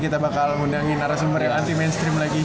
kita bakal undangin arasumber yang anti mainstream lagi